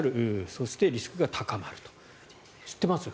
そしてリスクが高まると。